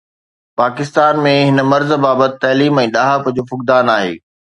پاڪستان ۾ هن مرض بابت تعليم ۽ ڏاهپ جو فقدان آهي